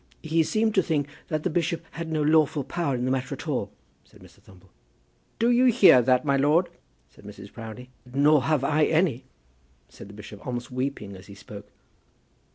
He seemed to think that the bishop had no lawful power in the matter at all," said Mr. Thumble. "Do you hear that, my lord?" said Mrs. Proudie. "Nor have I any," said the bishop, almost weeping as he spoke.